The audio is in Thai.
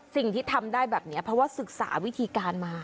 สิ่งที่ทำได้แบบนี้เพราะว่าศึกษาวิธีการมา